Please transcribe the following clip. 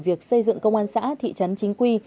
việc xây dựng công an xã thị trấn chính quy